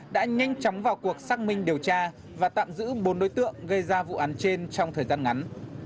đã nhanh chóng vào cuộc xác minh điều tra và tạm giữ bốn đối tượng gây ra vụ án trên trong thời gian ngắn